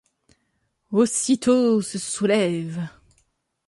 Aussitôt se soulèvent.